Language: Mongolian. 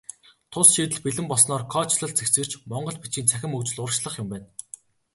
Тус шийдэл бэлэн болсноор кодчилол цэгцэрч, монгол бичгийн цахим хөгжил урагшлах юм байна.